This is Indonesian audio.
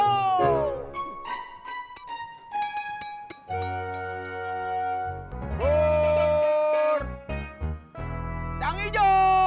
buuuur yang ijo